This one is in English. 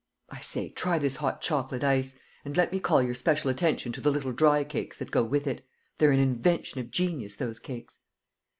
I say, try this hot chocolate ice; and let me call your special attention to the little dry cakes that go with it. They're an invention of genius, those cakes."